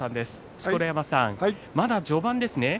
錣山さん、まだ序盤ですね。